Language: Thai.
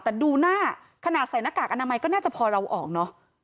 แต่ดูหน้าขนาดใส่หน้ากากอนามัยก็น่าจะพอเราออกเนอะ